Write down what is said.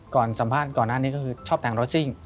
สัมภาษณ์ก่อนหน้านี้ก็คือชอบแต่งรถซิ่ง